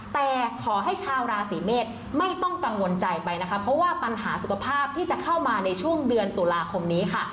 แต่ขอให้ชาวราศีเมษไม่ต้องกังวลใจไปนะคะเพราะว่าปัญหาสุขภาพที่จะเข้ามาในช่วงเดือนตุลาคมนี้ค่ะ